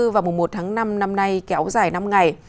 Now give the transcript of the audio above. và một tháng năm năm nay kéo dài năm ngày